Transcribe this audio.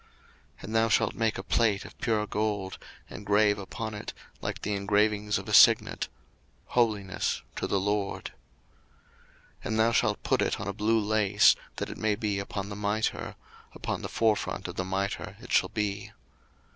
02:028:036 And thou shalt make a plate of pure gold, and grave upon it, like the engravings of a signet, HOLINESS TO THE LORD. 02:028:037 And thou shalt put it on a blue lace, that it may be upon the mitre; upon the forefront of the mitre it shall be.